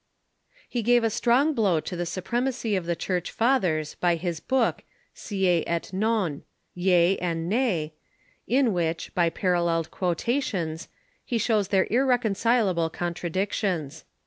He gave a strong blow to the supremacy of the Church Fa thers by his book " Sic et Non " (Yea and Nay), in Avhich, by parallel quotations, he shows their irreconcilable contradic tions.